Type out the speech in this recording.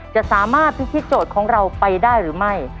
จะสามารถพิธีโจทย์ของเราไปได้หรือไม่